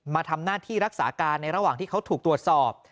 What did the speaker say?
มาทำหน้าที่รักษาการในระหว่างที่เขาถูกตรวจสอบ